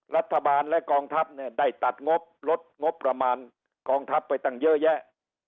รัฐบาลและกองทัพเนี่ยได้ตัดงบลดงบประมาณกองทัพไปตั้งเยอะแยะ